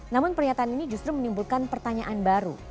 namun pernyataan ini justru menimbulkan pertanyaan baru